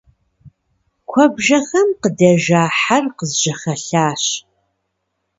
Куэбжэхэм къыдэжа хьэр къызжьэхэлъащ.